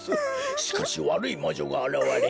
しかしわるいまじょがあらわれ